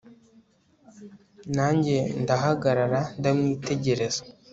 na njye ndahagarara ndamwitegereza